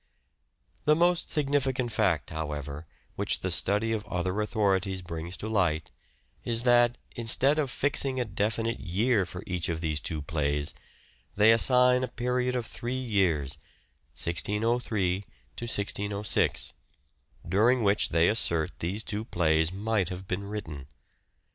The most significant fact, however, which the study of other authorities brings to light is that, instead of fixing a definite year for each of these two plays, they assign a period of three years, 1603 to 1606, during which they assert these two plays might have been written.